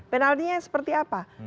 penaltinya seperti apa